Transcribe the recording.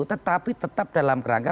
tetapi tetap dalam kerangka